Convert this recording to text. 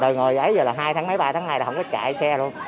đời người ấy giờ là hai tháng mấy ba tháng hai là ổng có chạy xe luôn